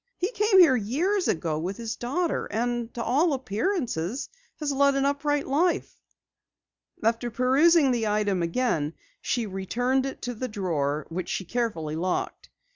"He came here years ago with his daughter, and to all appearances had led an upright life." After perusing the item again, she returned it to the drawer which she carefully locked.